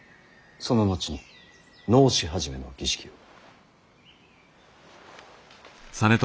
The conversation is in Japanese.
その後に直衣始の儀式を。